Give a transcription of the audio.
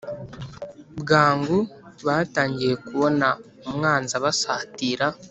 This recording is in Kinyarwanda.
bwangu batangiye kubona umwanzi abasatira.